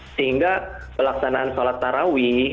sehingga pelaksanaan sholat tarawih